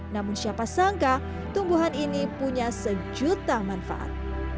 namun siapa sangka tumbuhan ini punya sejuta manfaat